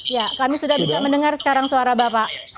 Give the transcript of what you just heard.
ya kami sudah bisa mendengar sekarang suara bapak